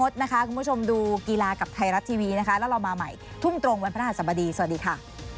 สวัสดีค่ะ